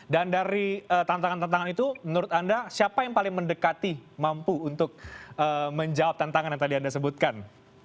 dan dari tantangan tantangan itu menurut anda siapa yang paling mendekati mampu untuk menjawab tantangan yang tadi anda sebutkan